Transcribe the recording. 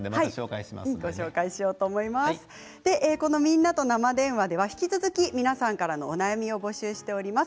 この「みんなと生電話」では引き続き皆さんからのお悩みを募集しています。